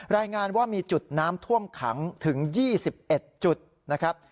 รายงานว่ามีจุดน้ำท่วมขังถึง๒๑จุดนะครับ